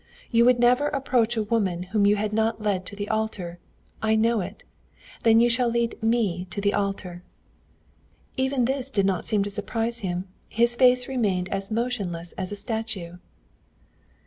You would never approach a woman whom you had not led to the altar. I know it. Then you shall lead me to the altar!' "Even this did not seem to surprise him. His face remained as motionless as a statue.